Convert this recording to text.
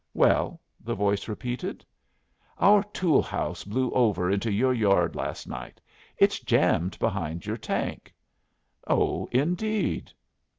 "Well?" the voice repeated. "Our tool house blew over into your yard last night. It's jammed behind your tank." "Oh, indeed!"